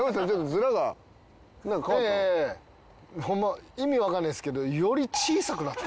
ホンマ意味わかんないんですけど。